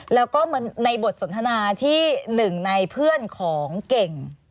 แล้วก็ในบทสนทนาที่หนึ่งในเพื่อนของเก่ง